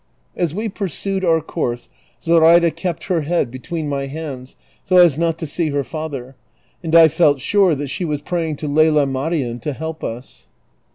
As we pursued our course Zoraida kept her head between my hands so as not to see lier father, and 1 felt sure that she was praying to Lela IMarien to help us.